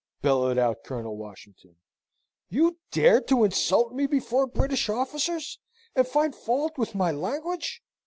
bellowed out Colonel Washington. "You dare to insult me before British officers, and find fault with my language?